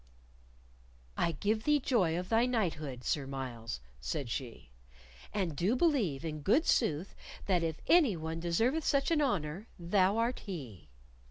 "I give thee joy of thy knighthood, Sir Myles," said she, "and do believe, in good sooth, that if any one deserveth such an honor, thou art he."